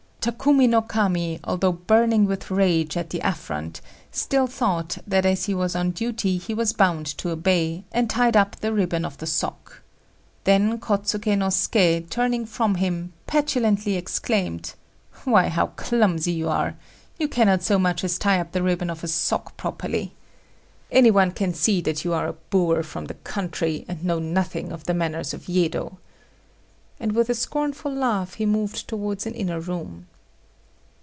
Takumi no Kami, although burning with rage at the affront, still thought that as he was on duty he was bound to obey, and tied up the ribbon of the sock. Then Kôtsuké no Suké, turning from him, petulantly exclaimed: "Why, how clumsy you are! You cannot so much as tie up the ribbon of a sock properly! Any one can see that you are a boor from the country, and know nothing of the manners of Yedo." And with a scornful laugh he moved towards an inner room.